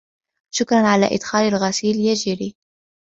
شكرا على آدخال الغسيل يا جيري.